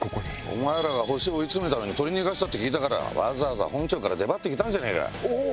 お前らがホシ追い詰めたのに取り逃がしたって聞いたからわざわざ本庁から出張ってきたんじゃねえか。